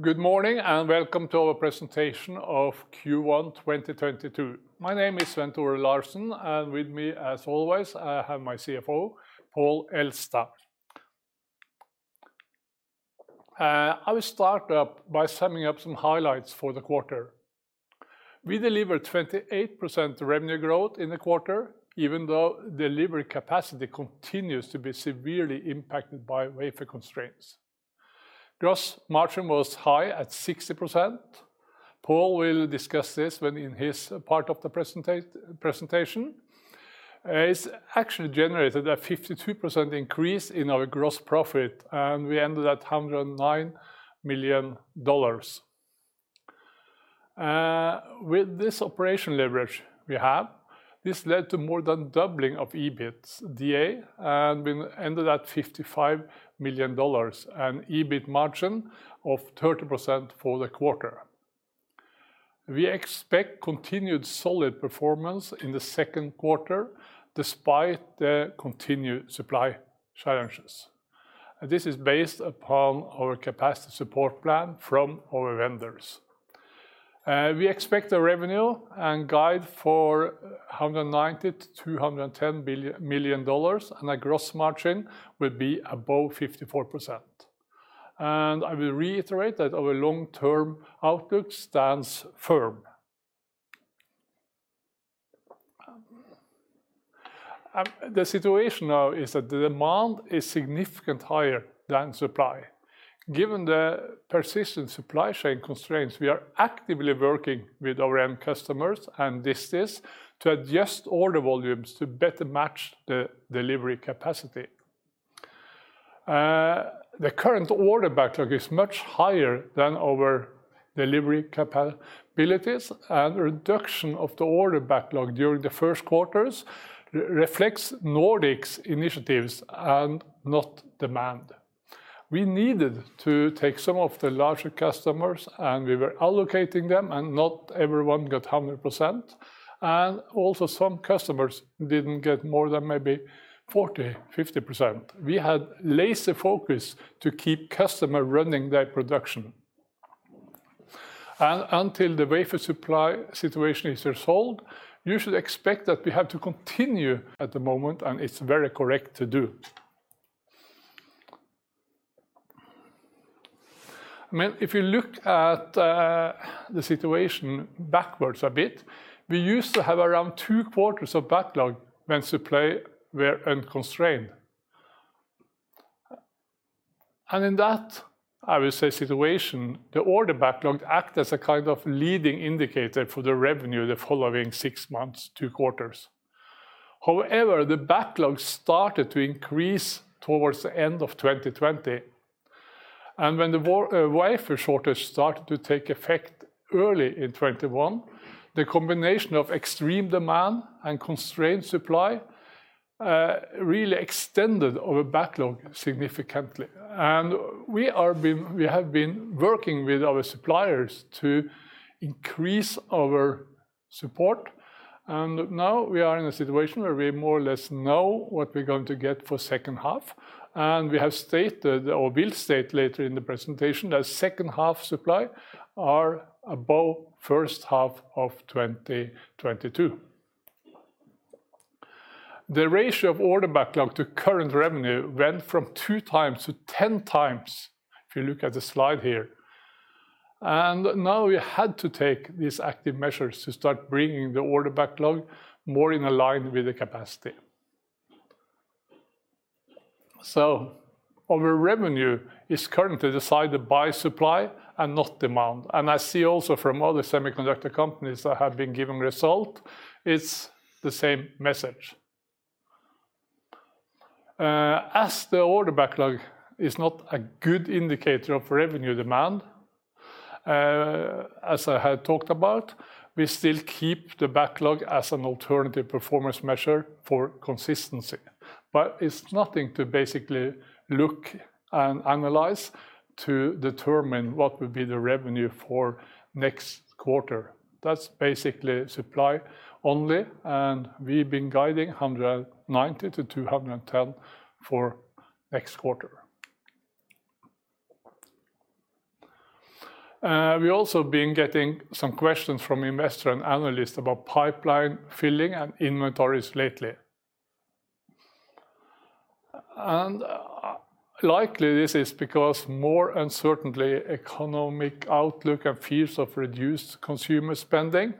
Good morning, and Welcome to Our Presentation of Q1 2022. My name is Svenn-Tore Larsen, and with me, as always, I have my CFO, Pål Elstad. I will start by summing up some highlights for the quarter. We delivered 28% revenue growth in the quarter even though delivery capacity continues to be severely impacted by wafer constraints. Gross margin was high at 60%. Pål will discuss this when in his part of the presentation. It's actually generated a 52% increase in our gross profit, and we ended at $109 million. With this operational leverage we have, this led to more than doubling of EBITDA, and we ended at $55 million, an EBIT margin of 30% for the quarter. We expect continued solid performance in the second quarter despite the continued supply challenges. This is based upon our capacity support plan from our vendors. We expect a revenue guidance for $190 million-$210 million, and a gross margin will be above 54%. I will reiterate that our long-term outlook stands firm. The situation now is that the demand is significantly higher than supply. Given the persistent supply chain constraints, we are actively working with our end customers and distributors to adjust order volumes to better match the delivery capacity. The current order backlog is much higher than our delivery capabilities, and reduction of the order backlog during the first quarters reflects Nordic's initiatives and not demand. We needed to take some of the larger customers, and we were allocating them, and not everyone got 100%. Also some customers didn't get more than maybe 40%, 50%. We had laser focus to keep customer running their production. Until the wafer supply situation is resolved, you should expect that we have to continue at the moment, and it's very correct to do. I mean, if you look at the situation backwards a bit, we used to have around 2 quarters of backlog when supply were unconstrained. In that situation, the order backlog act as a kind of leading indicator for the revenue the following 6 months, 2 quarters. However, the backlog started to increase towards the end of 2020, and when the wafer shortage started to take effect early in 2021, the combination of extreme demand and constrained supply really extended our backlog significantly. We have been working with our suppliers to increase our supply, and now we are in a situation where we more or less know what we're going to get for second half. We have stated, or will state later in the presentation, that second half supply are above first half of 2022. The ratio of order backlog to current revenue went from 2 times to 10 times if you look at the slide here. Now we had to take these active measures to start bringing the order backlog more in line with the capacity. Our revenue is currently decided by supply and not demand, and I see also from other semiconductor companies that have been given results, it's the same message. As the order backlog is not a good indicator of revenue demand, as I have talked about, we still keep the backlog as an alternative performance measure for consistency. It's nothing to basically look and analyze to determine what would be the revenue for next quarter. That's basically supply only, and we've been guiding $190-210 for next quarter. We also have been getting some questions from investors and analysts about pipeline filling and inventories lately. Likely this is because more uncertain economic outlook and fears of reduced consumer spending.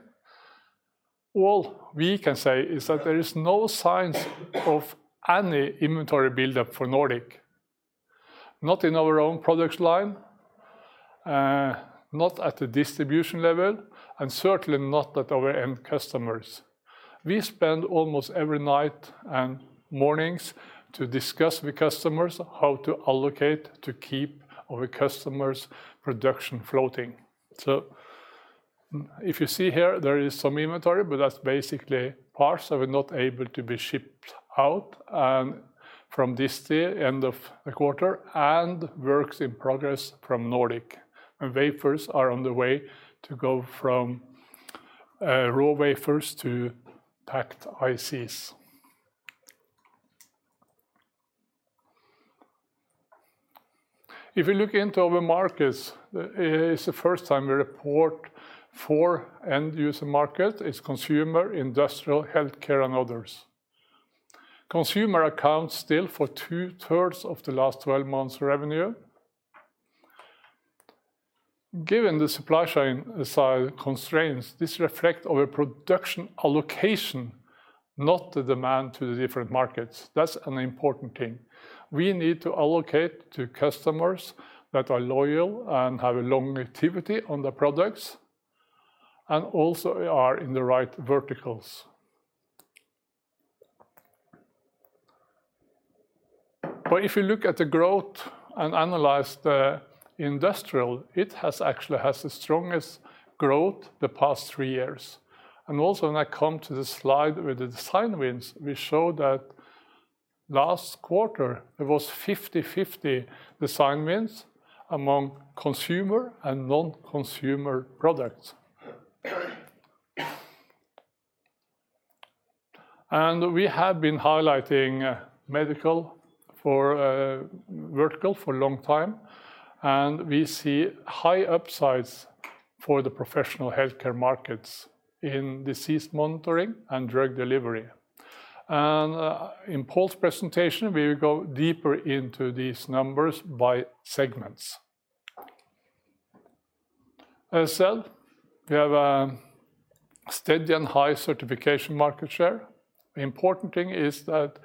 All we can say is that there is no signs of any inventory build up for Nordic, not in our own product line, not at the distribution level, and certainly not at our end customers. We spend almost every night and mornings to discuss with customers how to allocate to keep our customers' production afloat. If you see here, there is some inventory, but that's basically parts that were not able to be shipped out, and from this day, end of the quarter, and works in progress from Nordic. Wafers are on the way to go from raw wafers to packaged ICs. If you look into our markets, it's the first time we report four end-user markets. It's consumer, industrial, healthcare, and others. Consumer still accounts for two-thirds of the last twelve months revenue. Given the supply chain side constraints, this reflects our production allocation, not the demand to the different markets. That's an important thing. We need to allocate to customers that are loyal and have a long activity on the products, and also are in the right verticals. If you look at the growth and analyze the industrial, it actually has the strongest growth the past three years. When I come to the slide with the design wins, we show that last quarter there was 50-50 design wins among consumer and non-consumer products. We have been highlighting medical vertical for a long time, and we see high upsides for the professional healthcare markets in disease monitoring and drug delivery. In Pål's presentation, we will go deeper into these numbers by segments. As said, we have a steady and high certification market share. The important thing is that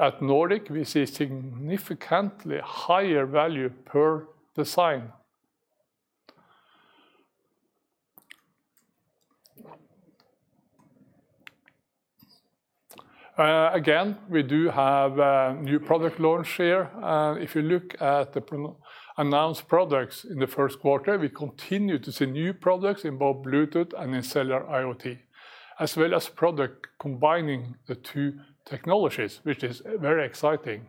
at Nordic, we see significantly higher value per design. Again, we do have a new product launch here. If you look at the announced products in the first quarter, we continue to see new products in both Bluetooth and in cellular IoT, as well as product combining the two technologies, which is very exciting.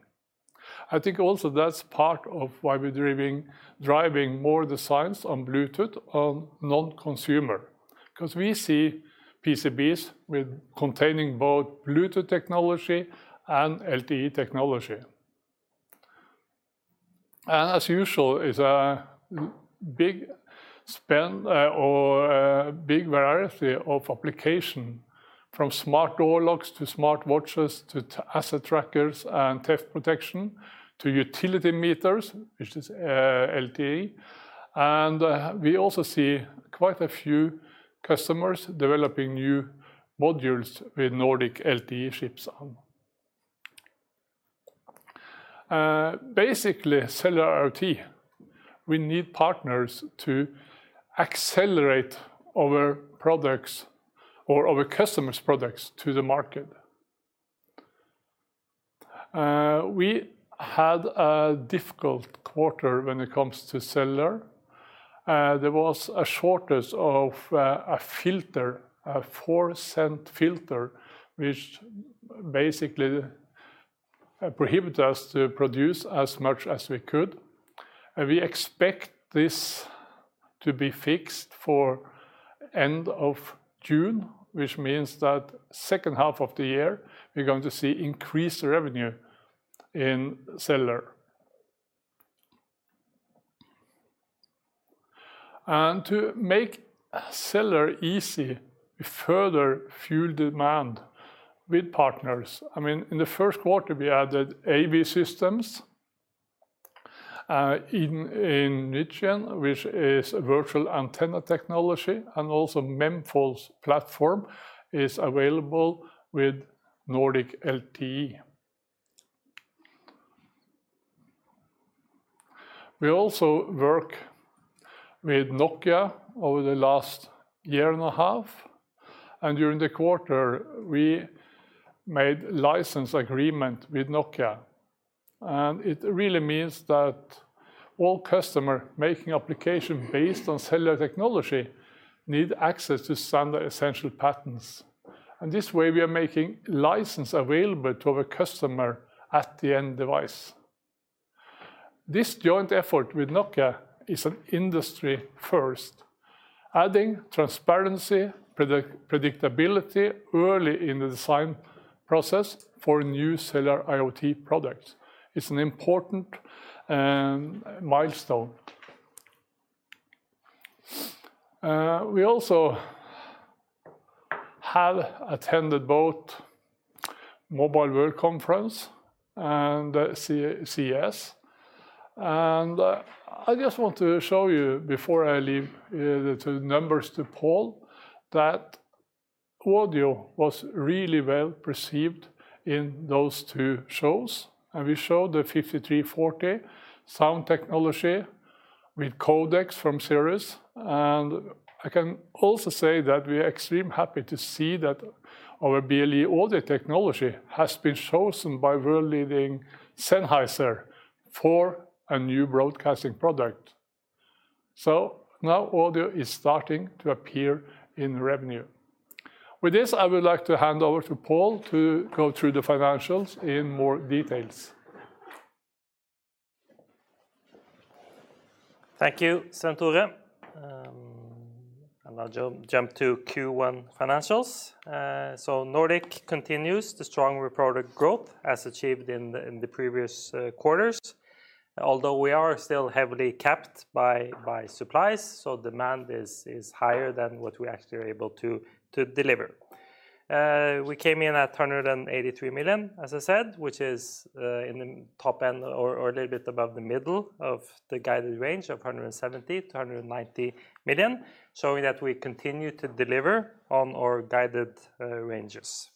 I think also that's part of why we're driving more designs on Bluetooth on non-consumer. Because we see PCBs containing both Bluetooth technology and LTE technology. As usual, it's a big span of applications, from smart door locks to smart watches, to asset trackers and theft protection, to utility meters, which is LTE. We also see quite a few customers developing new modules with Nordic LTE chips on. Basically, cellular IoT, we need partners to accelerate our products or our customers' products to the market. We had a difficult quarter when it comes to cellular. There was a shortage of a filter, a 4-cent filter, which basically prohibit us to produce as much as we could. We expect this to be fixed for end of June, which means that second half of the year, we're going to see increased revenue in cellular. To make cellular easy, we further fuel demand with partners. I mean, in the first quarter, we added AVSystem and Ignion, which is a virtual antenna technology, and also Memfault's platform is available with Nordic LTE. We also work with Nokia over the last year and a half, and during the quarter, we made license agreement with Nokia. It really means that all customer making application based on cellular technology need access to standard essential patents. This way, we are making license available to our customer at the end device. This joint effort with Nokia is an industry first, adding transparency, predictability early in the design process for new cellular IoT products. It's an important milestone. We also have attended both Mobile World Congress and the CES. I just want to show you before I leave the numbers to Pål, that audio was really well-perceived in those two shows. We showed the nRF5340 sound technology with codecs from Cirrus Logic. I can also say that we are extremely happy to see that our BLE audio technology has been chosen by world-leading Sennheiser for a new broadcasting product. Now audio is starting to appear in revenue. With this, I would like to hand over to Pål to go through the financials in more detail. Thank you, Svenn-Tore. I'll jump to Q1 financials. Nordic continues the strong product growth as achieved in the previous quarters. Although we are still heavily capped by supplies, demand is higher than what we actually are able to deliver. We came in at $183 million, as I said, which is in the top end or a little bit above the middle of the guided range of $170 million-$190 million, showing that we continue to deliver on our guided ranges.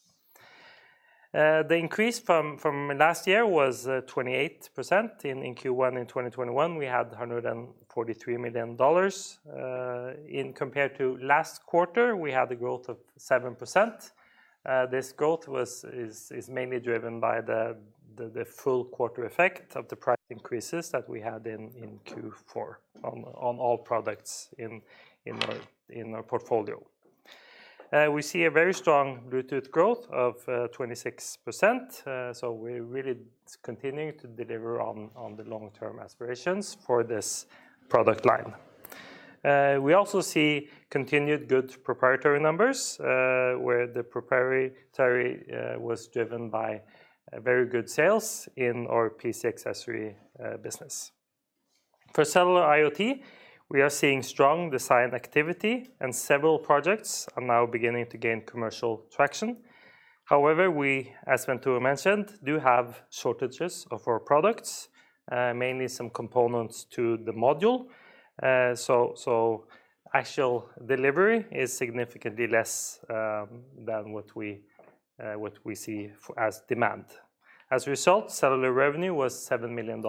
The increase from last year was 28% in Q1. In 2021, we had $143 million. In comparison to last quarter, we had the growth of 7%. This growth is mainly driven by the full quarter effect of the price increases that we had in Q4 on all products in our portfolio. We see a very strong Bluetooth growth of 26%. We're really continuing to deliver on the long-term aspirations for this product line. We also see continued good proprietary numbers, where the proprietary was driven by very good sales in our PC accessory business. For cellular IoT, we are seeing strong design activity, and several projects are now beginning to gain commercial traction. However, we, as Svenn-Tore mentioned, do have shortages of our products, mainly some components to the module. Actual delivery is significantly less than what we see as demand. As a result, cellular revenue was $7 million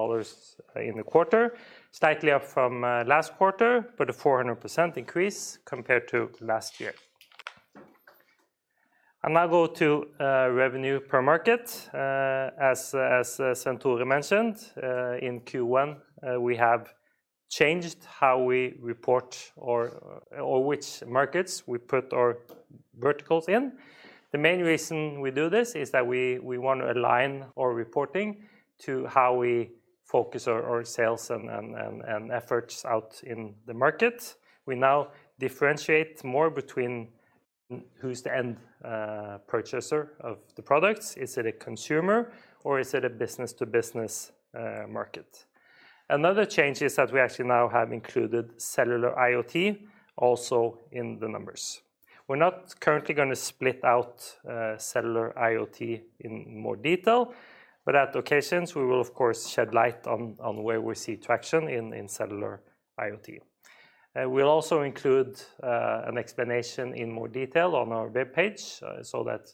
in the quarter, slightly up from last quarter, but a 400% increase compared to last year. I'll now go to revenue per market. As Svenn-Tore mentioned, in Q1, we have changed how we report or which markets we put our verticals in. The main reason we do this is that we want to align our reporting to how we focus our sales and efforts out in the market. We now differentiate more between who's the end purchaser of the products. Is it a consumer, or is it a business-to-business market? Another change is that we actually now have included cellular IoT also in the numbers. We're not currently gonna split out cellular IoT in more detail, but on occasions, we will of course shed light on where we see traction in cellular IoT. We'll also include an explanation in more detail on our webpage, so that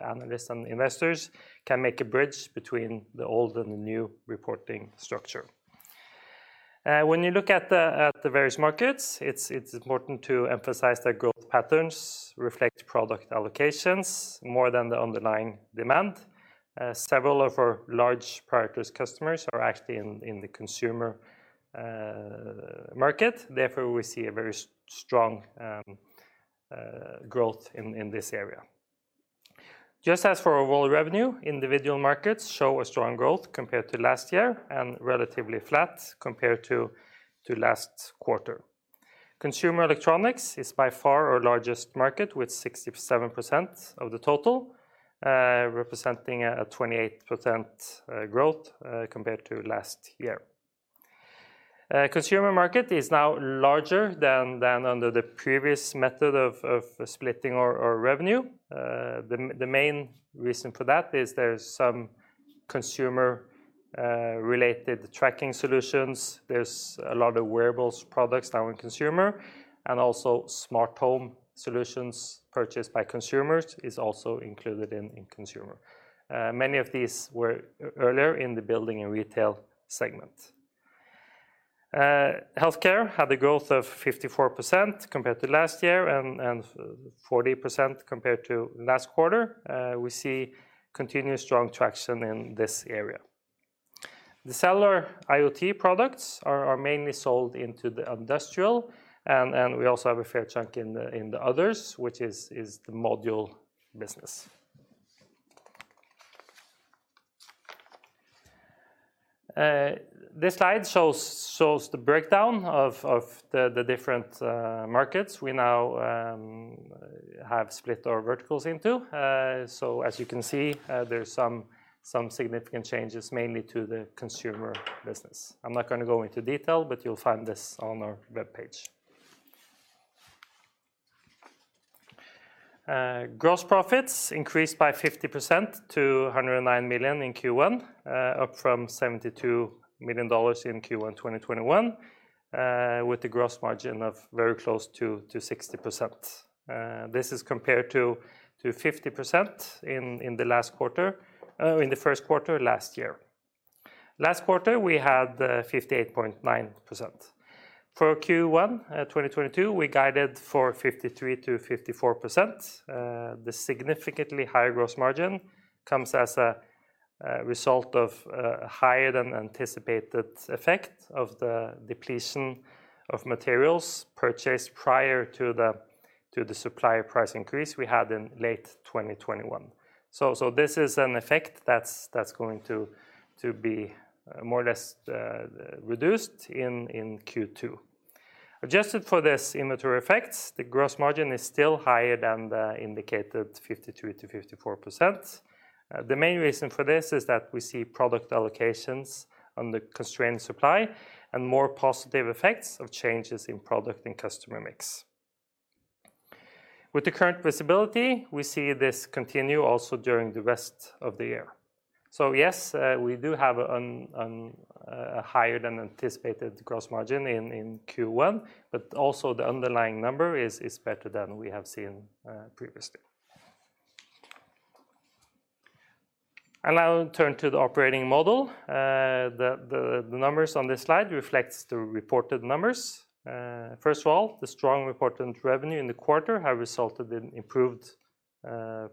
analysts and investors can make a bridge between the old and the new reporting structure. When you look at the various markets, it's important to emphasize that growth patterns reflect product allocations more than the underlying demand. Several of our large proprietary customers are actually in the consumer market, therefore we see a very strong growth in this area. Just as for our overall revenue, individual markets show a strong growth compared to last year and relatively flat compared to last quarter. Consumer electronics is by far our largest market, with 67% of the total, representing a 28% growth compared to last year. Consumer market is now larger than under the previous method of splitting our revenue. The main reason for that is there's some consumer related tracking solutions. There's a lot of wearables products now in consumer, and also smart home solutions purchased by consumers is also included in consumer. Many of these were earlier in the building and retail segment. Healthcare had a growth of 54% compared to last year and 40% compared to last quarter. We see continued strong traction in this area. The cellular IoT products are mainly sold into the industrial, and we also have a fair chunk in the others, which is the module business. This slide shows the breakdown of the different markets we now have split our verticals into. As you can see, there's some significant changes mainly to the consumer business. I'm not gonna go into detail, but you'll find this on our webpage. Gross profits increased by 50% to $109 million in Q1, up from $72 million in Q1 2021, with a gross margin of very close to 60%. This is compared to 50% in the first quarter last year. Last quarter, we had 58.9%. For Q1, 2022, we guided for 53%-54%. The significantly higher gross margin comes as a result of a higher than anticipated effect of the depletion of materials purchased prior to the supplier price increase we had in late 2021. This is an effect that's going to be more or less reduced in Q2. Adjusted for this inventory effects, the gross margin is still higher than the indicated 52%-54%. The main reason for this is that we see product allocations under constrained supply and more positive effects of changes in product and customer mix. With the current visibility, we see this continue also during the rest of the year. Yes, we do have a higher than anticipated gross margin in Q1, but also the underlying number is better than we have seen previously. Now we turn to the operating model. The numbers on this slide reflect the reported numbers. First of all, the strong reported revenue in the quarter has resulted in improved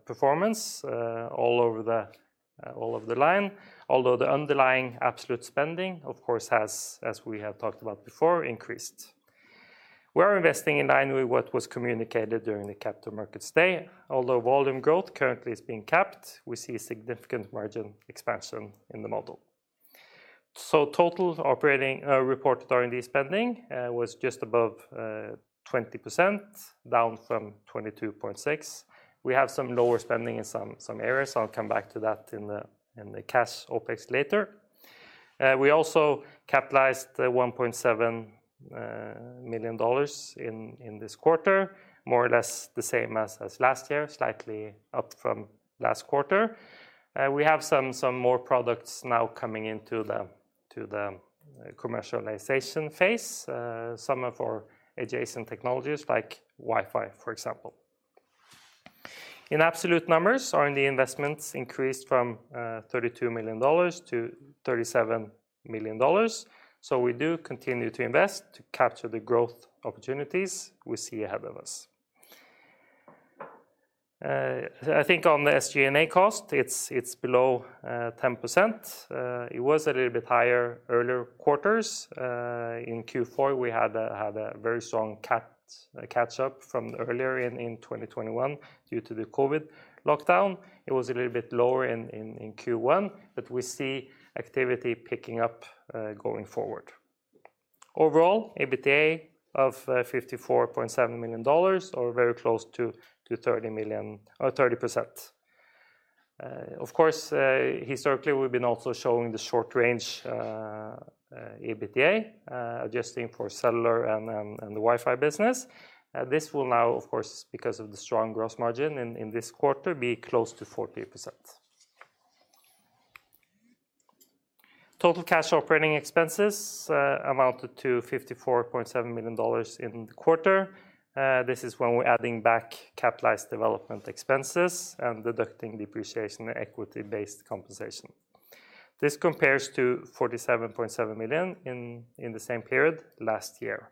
performance all over the line. Although the underlying absolute spending, of course, has, as we have talked about before, increased. We're investing in line with what was communicated during the Capital Markets Day. Although volume growth currently is being capped, we see significant margin expansion in the model. Total operating reported R&D spending was just above 20%, down from 22.6%. We have some lower spending in some areas. I'll come back to that in the cash OpEx later. We also capitalized $1.7 million in this quarter, more or less the same as last year, slightly up from last quarter. We have some more products now coming into the commercialization phase, some of our adjacent technologies, like Wi-Fi, for example. In absolute numbers, R&D investments increased from $32 million to $37 million. We do continue to invest to capture the growth opportunities we see ahead of us. I think on the SG&A cost, it's below 10%. It was a little bit higher earlier quarters. In Q4, we had a very strong catch-up from earlier in 2021 due to the COVID lockdown. It was a little bit lower in Q1, but we see activity picking up going forward. Overall, EBITDA of $54.7 million or very close to $30 million or 30%. Of course, historically, we've been also showing the short range EBITDA, adjusting for cellular and the Wi-Fi business. This will now, of course, because of the strong gross margin in this quarter, be close to 40%. Total cash operating expenses amounted to $54.7 million in the quarter. This is when we're adding back capitalized development expenses and deducting depreciation and equity-based compensation. This compares to $47.7 million in the same period last year,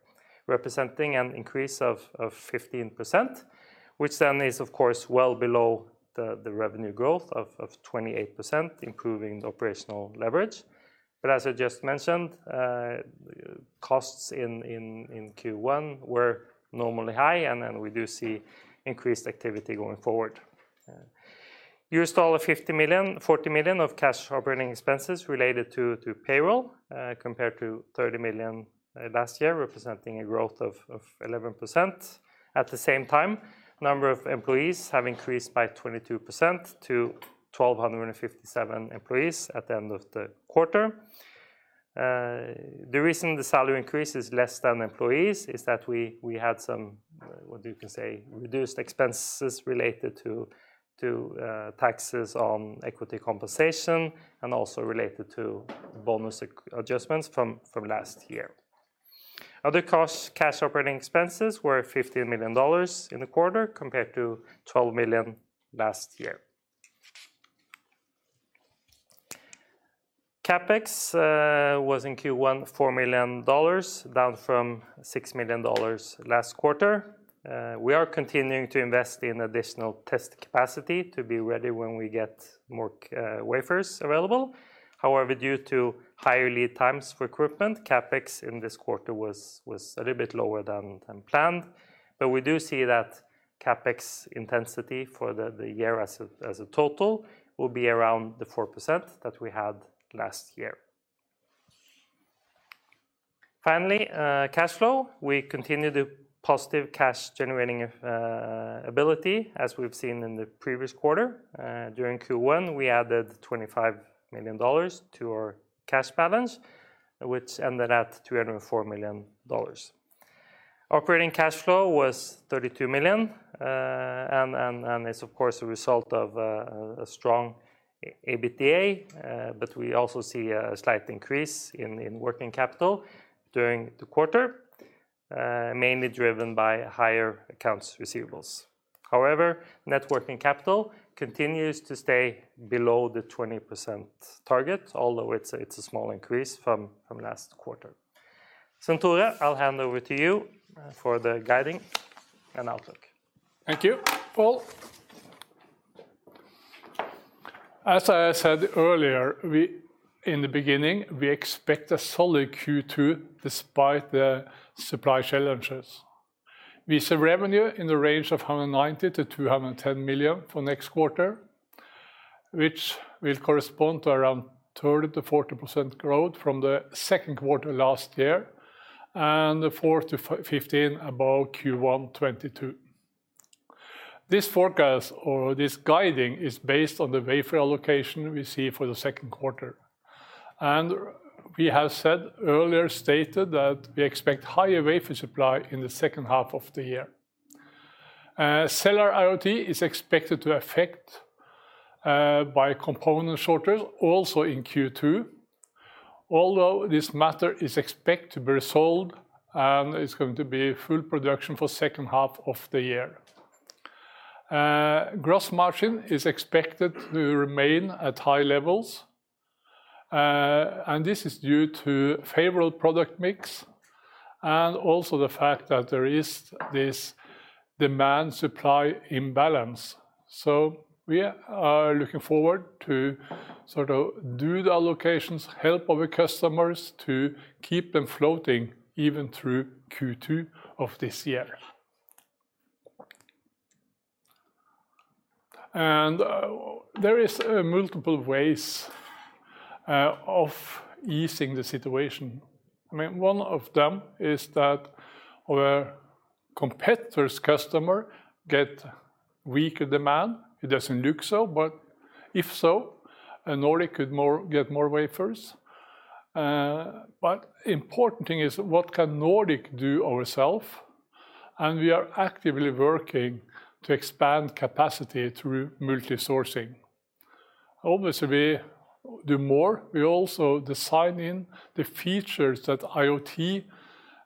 representing an increase of 15%, which then is of course well below the revenue growth of 28%, improving the operational leverage. As I just mentioned, costs in Q1 were normally high, and then we do see increased activity going forward. Used 40 million of cash operating expenses related to payroll, compared to $30 million last year, representing a growth of 11%. At the same time, number of employees have increased by 22% to 1,257 employees at the end of the quarter. The reason the salary increase is less than employees is that we had some, what you can say, reduced expenses related to taxes on equity compensation and also related to bonus adjustments from last year. Other costs, cash operating expenses were $50 million in the quarter compared to $12 million last year. CapEx was in Q1, $4 million, down from $6 million last quarter. We are continuing to invest in additional test capacity to be ready when we get more wafers available. However, due to higher lead times for equipment, CapEx in this quarter was a little bit lower than planned. We do see that CapEx intensity for the year as a total will be around the 4% that we had last year. Finally, cash flow. We continue the positive cash generating ability as we've seen in the previous quarter. During Q1, we added $25 million to our cash balance, which ended at $204 million. Operating cash flow was $32 million, and is of course a result of a strong EBITDA, but we also see a slight increase in working capital during the quarter, mainly driven by higher accounts receivables. However, net working capital continues to stay below the 20% target, although it's a small increase from last quarter. Svenn-Tore, I'll hand over to you for the guidance and outlook. Thank you. Pål. As I said earlier, we expect a solid Q2 despite the supply challenges. We see revenue in the range of 190-210 million for next quarter, which will correspond to around 30%-40% growth from the second quarter last year, and 4%-15% above Q1 2022. This forecast or this guidance is based on the wafer allocation we see for the second quarter. We have stated earlier that we expect higher wafer supply in the second half of the year. Cellular IoT is expected to be affected by component shortages also in Q2, although this matter is expected to be resolved and it's going to be full production for second half of the year. Gross margin is expected to remain at high levels. This is due to favorable product mix and also the fact that there is this demand-supply imbalance. We are looking forward to sort of do the allocations, help our customers to keep them afloat even through Q2 of this year. There is multiple ways of easing the situation. I mean, one of them is that our competitor's customer get weaker demand. It doesn't look so, but if so, we could get more wafers. Important thing is what can Nordic do ourselves, and we are actively working to expand capacity through multi-sourcing. Obviously, we do more. We also design in the features that IoT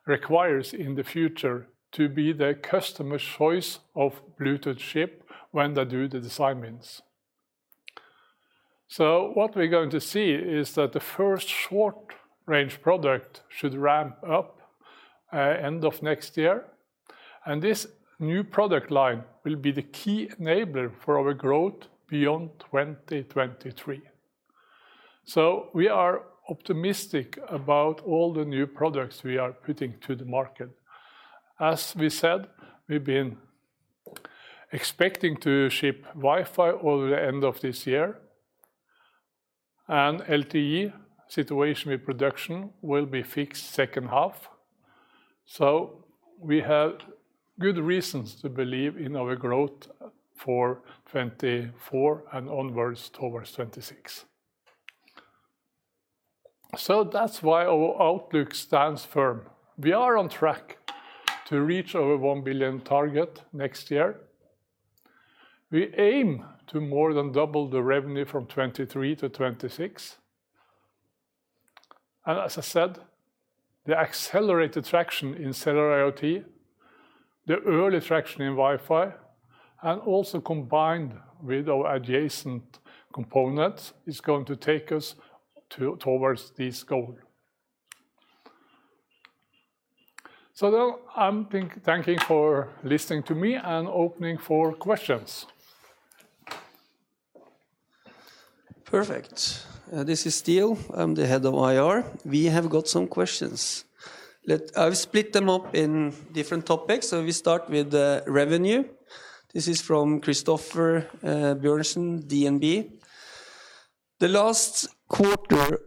requires in the future to be the customer's choice of Bluetooth chip when they do the design wins. What we're going to see is that the first short-range product should ramp up end of next year, and this new product line will be the key enabler for our growth beyond 2023. We are optimistic about all the new products we are putting to the market. As we said, we've been expecting to ship Wi-Fi over the end of this year, and LTE situation with production will be fixed second half. We have good reasons to believe in our growth for 2024 and onwards towards 2026. That's why our outlook stands firm. We are on track to reach our $1 billion target next year. We aim to more than double the revenue from 2023 to 2026. As I said, the accelerated traction in cellular IoT, the early traction in Wi-Fi, and also combined with our adjacent components, is going to take us towards this goal. I'm thanking for listening to me and opening for questions. Perfect. This is Ståle. I'm the head of IR. We have got some questions. I've split them up in different topics, so we start with the revenue. This is from Christoffer Bjørnsen, DNB. The last quarter,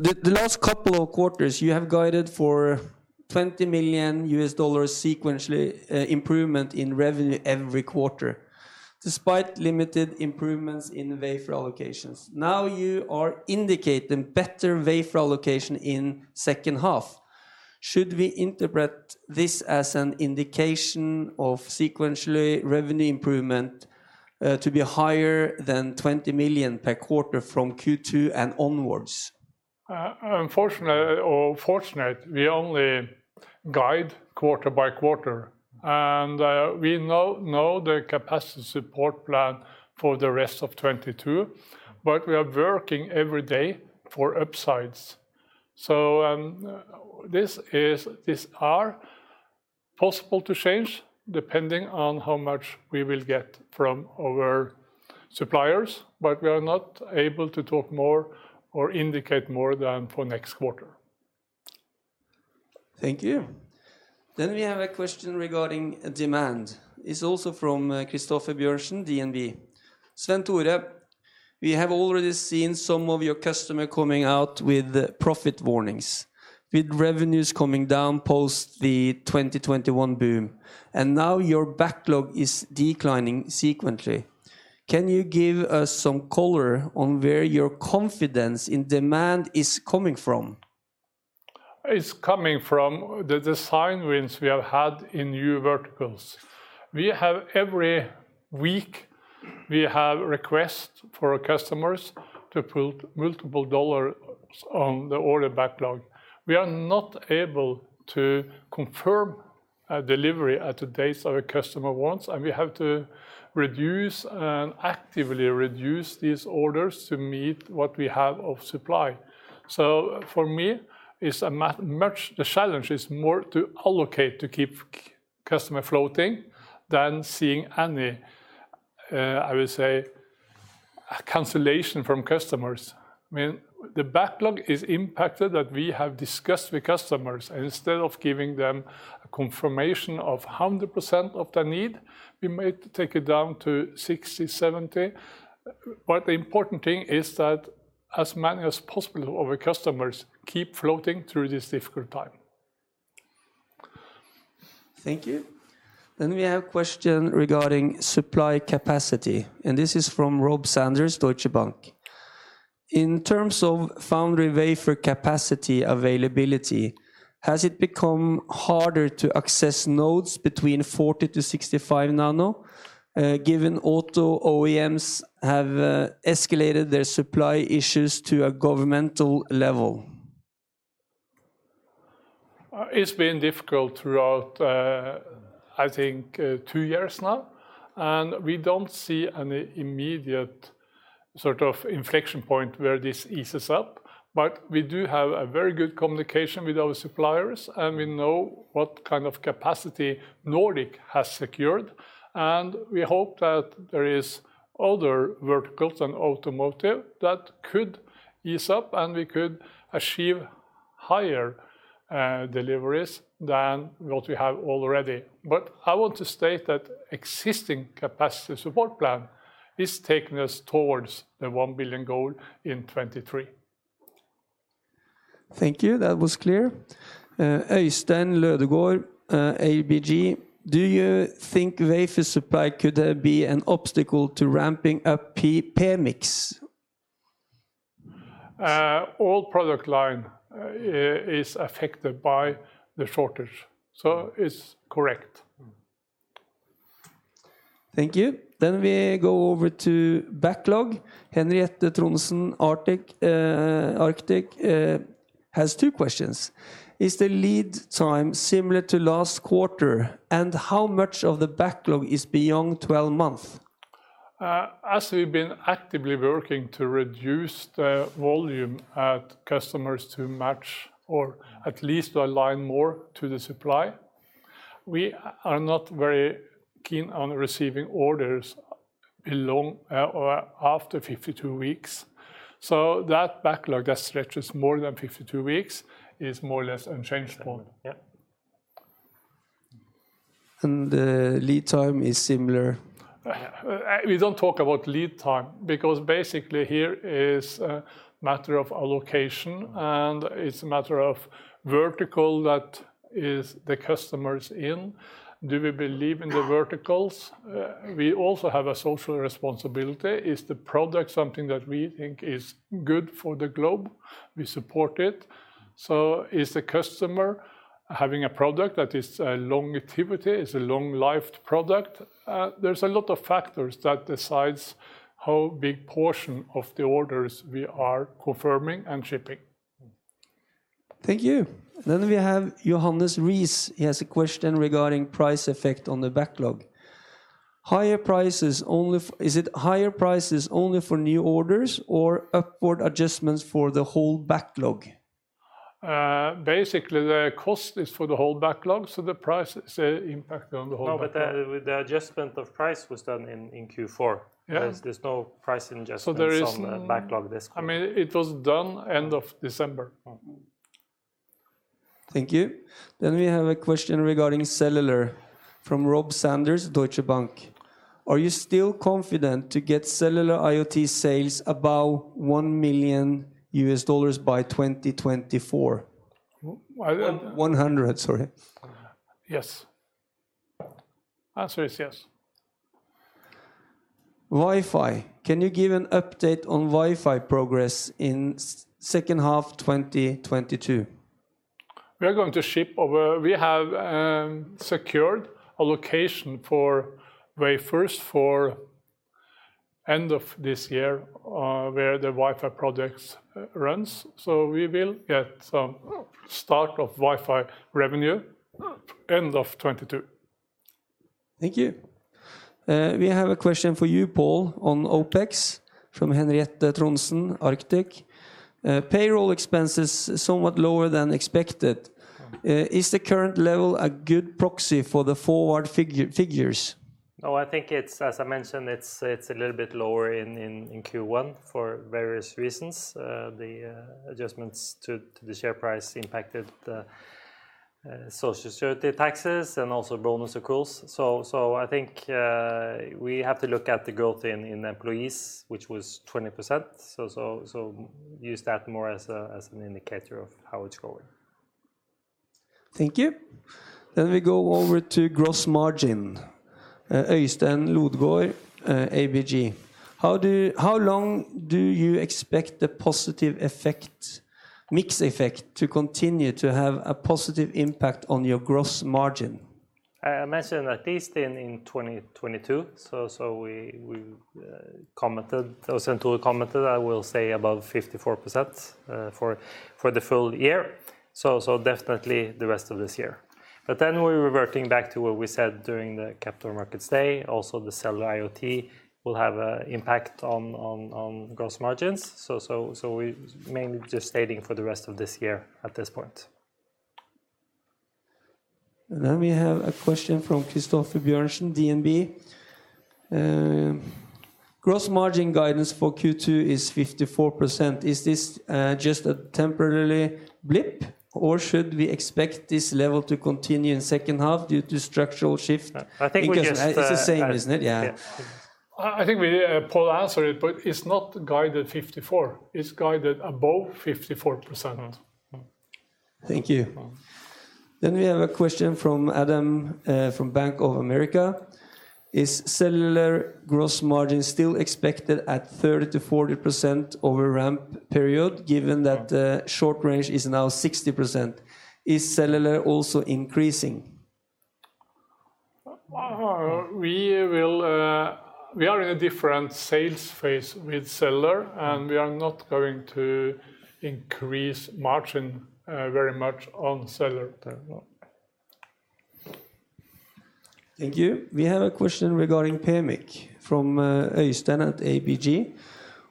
the last couple of quarters, you have guided for $20 million sequential improvement in revenue every quarter, despite limited improvements in wafer allocations. Now you are indicating better wafer allocation in second half. Should we interpret this as an indication of sequential revenue improvement to be higher than $20 million per quarter from Q2 and onwards? Unfortunately or fortunate, we only guide quarter by quarter, and we know the capacity support plan for the rest of 2022, but we are working every day for upsides. This is possible to change depending on how much we will get from our suppliers, but we are not able to talk more or indicate more than for next quarter. Thank you. We have a question regarding demand. It's also from Christoffer Bjørnsen, DNB. Svenn-Tore, we have already seen some of your customer coming out with profit warnings, with revenues coming down post the 2021 boom, and now your backlog is declining sequentially. Can you give us some color on where your confidence in demand is coming from? It's coming from the design wins we have had in new verticals. We have every week requests from our customers to put multiple dollars on the order backlog. We are not able to confirm a delivery at the dates our customer wants, and we have to reduce and actively reduce these orders to meet what we have in supply. For me, the challenge is more to allocate to keep customers flowing than seeing any, I will say, cancellation from customers. I mean, the backlog is impacted, as we have discussed with customers, and instead of giving them a confirmation of 100% of the need, we may take it down to 60%-70%. The important thing is that as many as possible of our customers keep flowing through this difficult time. Thank you. We have a question regarding supply capacity, and this is from Rob Sanders, Deutsche Bank. In terms of foundry wafer capacity availability, has it become harder to access nodes between 40-65 nano, given auto OEMs have escalated their supply issues to a governmental level? It's been difficult throughout, I think, two years now, and we don't see any immediate sort of inflection point where this eases up. We do have a very good communication with our suppliers, and we know what kind of capacity Nordic has secured, and we hope that there is other verticals than automotive that could ease up, and we could achieve higher deliveries than what we have already. I want to state that existing capacity support plan is taking us towards the $1 billion goal in 2023. Thank you. That was clear. Øystein Elton Lodgaard, ABG. Do you think wafer supply could be an obstacle to ramping up PMIC? All product line is affected by the shortage, so it's correct. Thank you. We go over to backlog. Henriette Trondsen, Arctic, has two questions. Is the lead time similar to last quarter, and how much of the backlog is beyond 12 months? As we've been actively working to reduce the volume at customers to match or at least align more to the supply, we are not very keen on receiving orders below or after 52 weeks. That backlog that stretches more than 52 weeks is more or less unchanged point. Yeah. The lead time is similar? We don't talk about lead time because basically here is a matter of allocation, and it's a matter of vertical that is the customers in. Do we believe in the verticals? We also have a social responsibility. Is the product something that we think is good for the globe? We support it. Is the customer having a product that is a longevity, is a long-lived product? There's a lot of factors that decides how big portion of the orders we are confirming and shipping. Thank you. We have Johannes Rees. He has a question regarding price effect on the backlog. Is it higher prices only for new orders or upward adjustments for the whole backlog? Basically the cost is for the whole backlog, so the price is impacted on the whole backlog. No, the adjustment of price was done in Q4. Yeah. There's no price adjustment. So there is- on the backlog this quarter. I mean, it was done end of December. Yeah. Thank you. We have a question regarding cellular from Rob Sanders, Deutsche Bank. Are you still confident to get cellular IoT sales above $1 million by 2024? Are we at- 100, sorry. Yes. Answer is yes. Wi-Fi. Can you give an update on Wi-Fi progress in second half 2022? We have secured allocation for wafers for end of this year, where the Wi-Fi projects runs, so we will get some start of Wi-Fi revenue end of 2022. Thank you. We have a question for you, Pål, on OpEx from Henriette Trondsen, Arctic Securities. Payroll expenses somewhat lower than expected. Is the current level a good proxy for the forward figures? No, I think it's, as I mentioned, it's a little bit lower in Q1 for various reasons. The adjustments to the share price impacted social security taxes and also bonus, of course. I think we have to look at the growth in employees, which was 20%. Use that more as an indicator of how it's going. Thank you. We go over to gross margin. Øystein Lodgaard, ABG. How long do you expect the positive effect, mix effect to continue to have a positive impact on your gross margin? I mentioned at least in 2022, commented, or Svenn-Tore commented, I will say above 54% for the full year. Definitely the rest of this year. We're reverting back to what we said during the Capital Markets Day. Also the cellular IoT will have an impact on gross margins. We mainly just stating for the rest of this year at this point. We have a question from Christoffer Wang Bjørnsen, DNB. Gross margin guidance for Q2 is 54%. Is this just a temporary blip, or should we expect this level to continue in second half due to structural shift? I think we just. It's the same, isn't it? Yeah. Yeah. I think Pål, answered it, but it's not guided 54. It's guided above 54%. Thank you. We have a question from Adam, from Bank of America. Is cellular gross margin still expected at 30%-40% over ramp period, given that the short range is now 60%? Is cellular also increasing? Well, we are in a different sales phase with cellular, and we are not going to increase margin very much on cellular. Thank you. We have a question regarding PMIC from Øystein at ABG.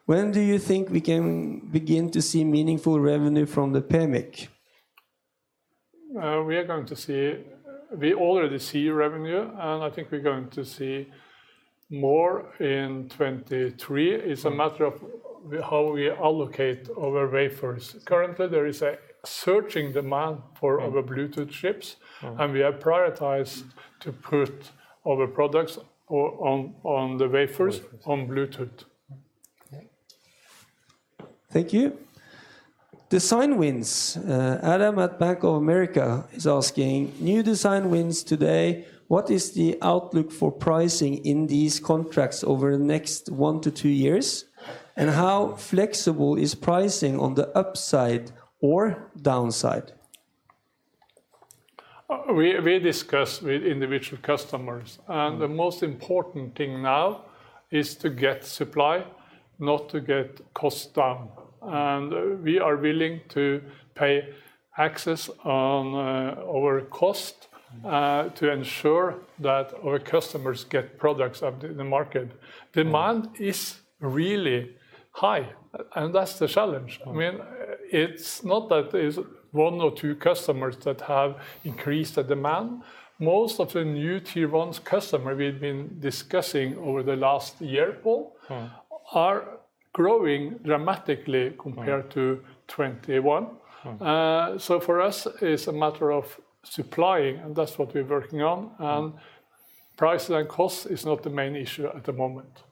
When do you think we can begin to see meaningful revenue from the PMIC? We already see revenue, and I think we're going to see more in 2023. It's a matter of how we allocate our wafers. Currently, there is a surging demand for our Bluetooth chips, and we have prioritized to put our products on the wafers on Bluetooth. Okay. Thank you. Design wins, Adam at Bank of America is asking, new design wins today, what is the outlook for pricing in these contracts over the next one to two years? How flexible is pricing on the upside or downside? We discuss with individual customers, and the most important thing now is to get supply, not to get cost down. We are willing to pay excess on our cost to ensure that our customers get products out in the market. Demand is really high, and that's the challenge. I mean, it's not that is one or two customers that have increased the demand. Most of the new tier one customer we've been discussing over the last year, Pål Elstad. Mm. are growing dramatically compared to 2021. Mm. For us, it's a matter of supplying, and that's what we're working on. Price and cost is not the main issue at the moment.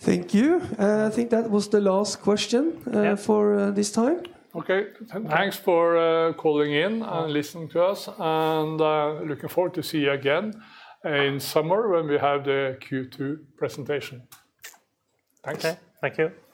Thank you. I think that was the last question. Yeah. For this time. Okay. Thanks for calling in and listening to us, and looking forward to see you again in summer when we have the Q2 presentation. Thanks. Okay. Thank you.